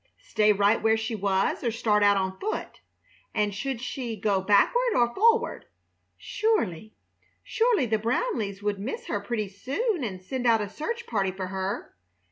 Stay right where she was or start out on foot? And should she go backward or forward? Surely, surely the Brownleighs would miss her pretty soon and send out a search party for her.